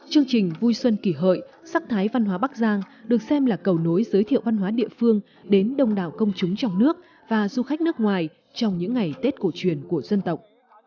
chương trình vui xuân kỷ hợi sắc thái văn hóa bắc giang được xem là cầu nối giới thiệu văn hóa địa phương đến đông đảo công chúng trong nước và du khách nước ngoài trong những ngày tết cổ truyền của dân tộc